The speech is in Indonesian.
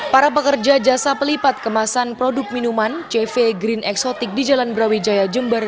para pekerja jasa pelipat kemasan produk minuman cv green exotic di jalan brawijaya jember